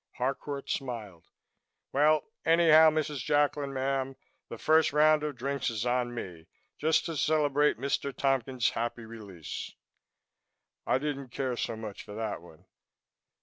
Harcourt smiled. "Well, anyhow, Mrs. Jacklin, ma'm, the first round of drinks is on me just to celebrate Mr. Tompkins' happy release." I didn't care so much for that one.